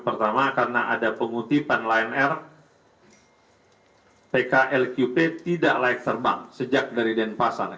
pertama karena ada pengutipan lion air pklqp tidak layak terbang sejak dari denpasar